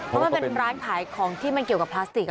เพราะมันเป็นร้านขายของที่มันเกี่ยวกับพลาสติก